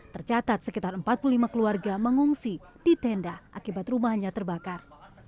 tercatat sekitar empat puluh lima keluarga mengungsi di tenda akibat rumahnya terbakar